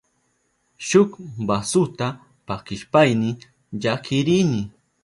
Shuk basuta pakishpayni llakirini.